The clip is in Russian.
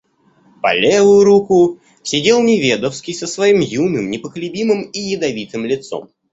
По левую руку сидел Неведовский со своим юным, непоколебимым и ядовитым лицом.